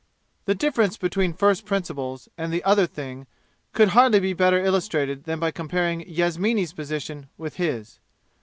The difference between first principles and the other thing could hardly be better illustrated than by comparing Yasmini's position with his.